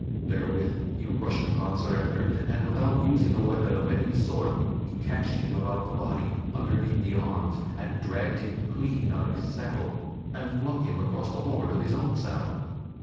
Therewith he rushed upon Sir Ector, and without using a weapon of any sort he catched him about the body, underneath the arms, and dragged him clean out of his saddle, and flung him across the horn of his own saddle.